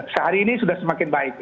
sehari ini sudah semakin baik